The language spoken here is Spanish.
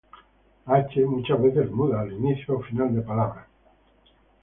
La "h" muchas veces es muda al inicio o final de palabra; p.